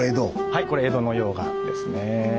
はいこれ江戸の溶岩ですね。